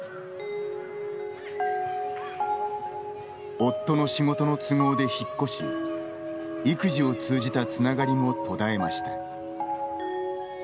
夫の仕事の都合で引っ越し育児を通じたつながりも途絶えました。